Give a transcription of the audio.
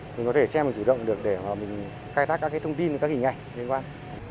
mình có thể xem mình chủ động được để mà mình cài đặt các thông tin các hình ảnh liên quan